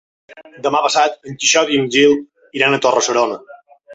Demà passat en Quixot i en Gil iran a Torre-serona.